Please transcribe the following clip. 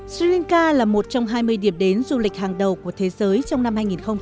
sri lanka là một trong hai mươi điểm đến du lịch hàng đầu của thế giới trong năm hai nghìn hai mươi